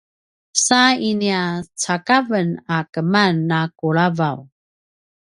sa inia cakaven a keman na kulavaw